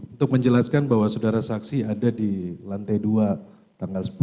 untuk menjelaskan bahwa saudara saksi ada di lantai dua tanggal sepuluh